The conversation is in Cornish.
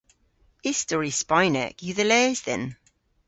Istori spaynek yw dhe les dhyn.